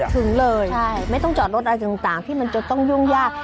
ถึงเลยไม่ต้องจอดรถอะไรต่างที่มันจะต้องยุ่งยาก